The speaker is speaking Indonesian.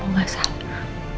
gak ada yang salah